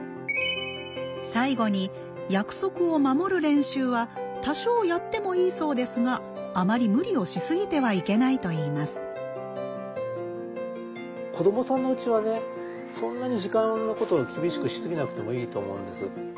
最後に約束を守る練習は多少やってもいいそうですがあまり無理をしすぎてはいけないといいます子どもさんのうちはねそんなに時間のことを厳しくしすぎなくてもいいと思うんです。